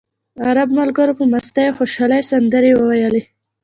عرب ملګرو په مستۍ او خوشالۍ سندرې وویلې.